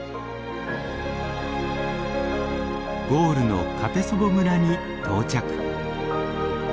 ゴールのカペソヴォ村に到着。